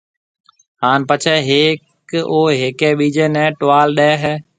ھان پڇيَ ھيَََڪ او ھيَََڪيَ ٻيجيَ نيَ ٽوال ڏَي ھيََََ